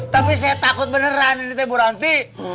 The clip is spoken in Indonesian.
tapi saya takut beneran ini teh bu ronty